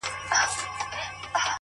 گرانه شاعره صدقه دي سمه؛